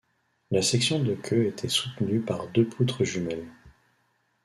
La section de queue était soutenue par deux poutres jumelles.